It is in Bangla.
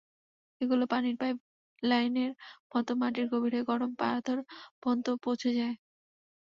এগুলো পানির পাইপ লাইনের মতো মাটির গভীরে গরম পাথর পর্যন্ত পৌঁছে যায়।